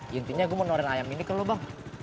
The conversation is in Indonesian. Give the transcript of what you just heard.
intinya gue mau nuarin ayam ini ke lo bang